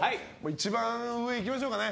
一番上、いきましょうかね。